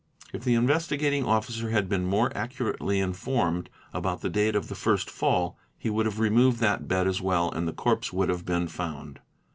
If the Investigating Officer had been more accurately informed about the date of the first fall, he would have removed that bed as well and the corpse would have been found.